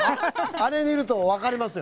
あれ見ると分かりますよ。